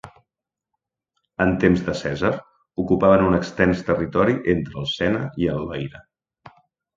En temps de Cèsar ocupaven un extens territori entre el Sena i el Loira.